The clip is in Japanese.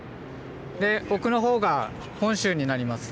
で奥の方が本州になります。